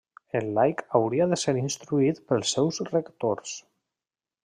El laic hauria de ser instruït pels seus rectors.